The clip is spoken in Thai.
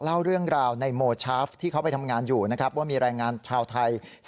ยังไม่รู้ว่า